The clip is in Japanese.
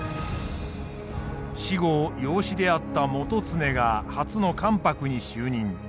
死後養子であった基経が初の関白に就任。